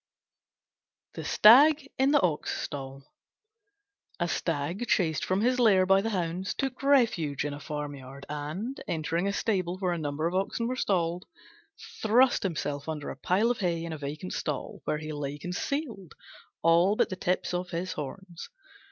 THE STAG IN THE OX STALL A Stag, chased from his lair by the hounds, took refuge in a farmyard, and, entering a stable where a number of oxen were stalled, thrust himself under a pile of hay in a vacant stall, where he lay concealed, all but the tips of his horns.